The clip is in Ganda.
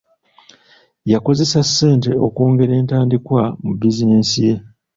Yakozesa ssente okwongera entandikwa mu bizinesi ye.